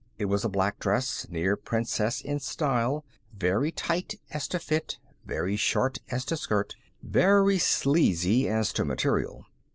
It was a black dress, near princess in style, very tight as to fit, very short as to skirt, very sleazy as to material.